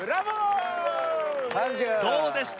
どうでした？